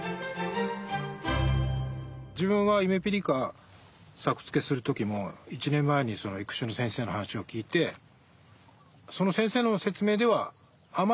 自分はゆめぴりか作付けする時も１年前に育種の先生の話を聞いてその先生の説明ではあまりいいことを言ってなくて